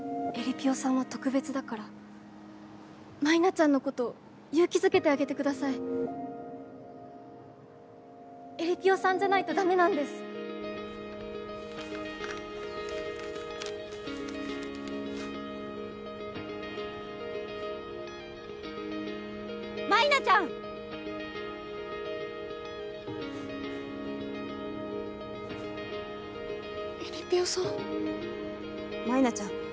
さんは特別だ舞菜ちゃんのこと勇気づけてあげてくださえりぴよさんじゃないとダメなんです・舞菜ちゃん！・えりぴよさん舞菜ちゃん